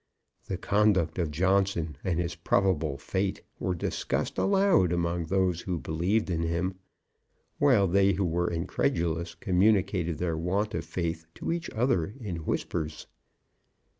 The conduct of Johnson, and his probable fate, were discussed aloud among those who believed in him, while they who were incredulous communicated their want of faith to each other in whispers.